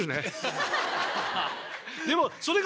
でも。